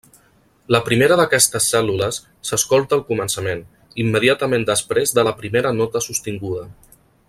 La primera d'aquestes cèl·lules s'escolta al començament, immediatament després de la primera nota sostinguda.